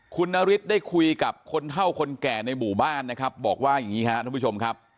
คุณนฤทธิ์ได้คุยกับคนเท่าคนแก่ในหมู่บ้านนะครับบอกว่าอย่างนี้ครับทุกผู้ชมครับ